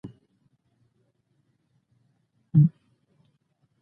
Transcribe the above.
د زړورو مارغانو کیسه د هوښیارۍ سبق ورکوي.